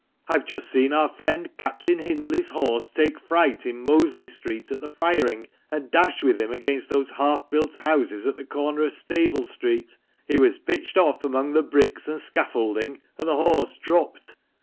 I've just seen our friend Captain Hindley's horse take fright in Mosley Street at the firing, and dash with him against those half built houses at the corner of Stable Street. He was pitched off amongst the bricks and scaffolding, and the horse dropped.